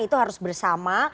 itu harus bersama